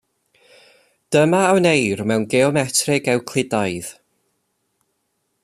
Dyma a wneir mewn geometreg Ewclidaidd.